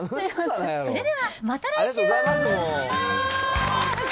それではまた来週。